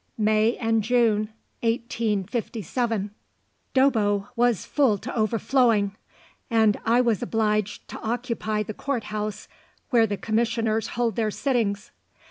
(MAY AND JUNE 1857.) DOBBO was full to overflowing, and I was obliged to occupy the court house where the Commissioners hold their sittings.